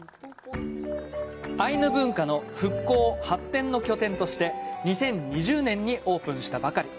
アイヌ文化の復興・発展の拠点として２０２０年にオープンしたばかり。